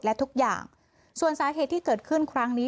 และทุกอย่างส่วนสาเหตุที่เกิดขึ้นครั้งนี้